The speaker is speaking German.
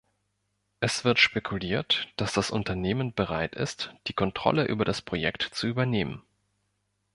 Es wird spekuliert, dass das Unternehmen bereit ist, die Kontrolle über das Projekt zu übernehmen.